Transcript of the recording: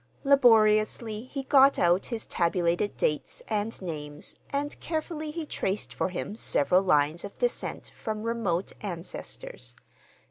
Laboriously he got out his tabulated dates and names and carefully he traced for him several lines of descent from remote ancestors.